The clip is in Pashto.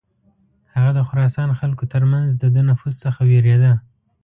هغه د خراسان خلکو تر منځ د ده نفوذ څخه ویرېده.